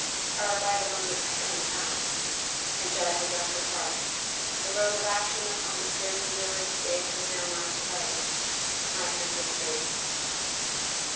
Our vital moment had come and passed. And Jetta had done her part; the role of action upon this dim lurid stage was now mine to play. My hands were free.